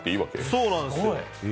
そうなんですよ。